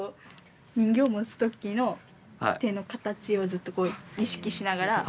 人形持つ時の手の形をずっと意識しながら。